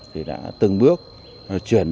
thì đã từng bước chuyển đổi